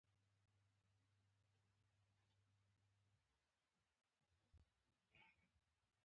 ټولنه غيري طبيعي پديده ده